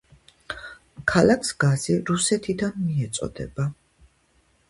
ქალაქს გაზი რუსეთიდან მიეწოდება.